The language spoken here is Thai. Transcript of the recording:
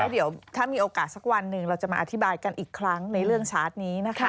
เดี๋ยวถ้ามีโอกาสสักวันหนึ่งเราจะมาอธิบายกันอีกครั้งในเรื่องชาร์จนี้นะคะ